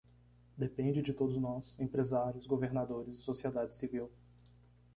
Depende de todos nós, empresários, governadores e sociedade civil.